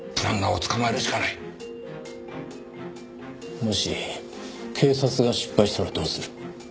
もし警察が失敗したらどうする？